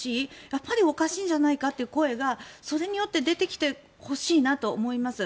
やっぱりおかしいんじゃないかという声が、それによって出てきてほしいと思います。